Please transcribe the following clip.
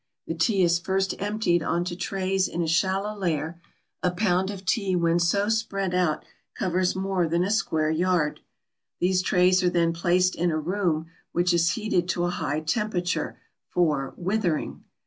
The tea is first emptied on to trays in a shallow layer: a pound of tea when so spread out covers more than a square yard. These trays are then placed in a room which is heated to a high temperature, for "withering."